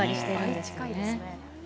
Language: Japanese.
倍近いですね。